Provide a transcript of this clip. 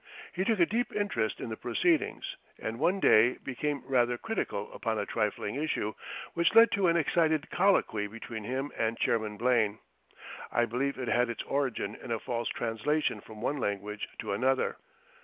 He took a deep interest in the proceedings, and one day became rather critical upon a trifling issue, which led to an excited colloquy between him and Chairman Blaine. I believe it had its origin in a false translation from one language to another.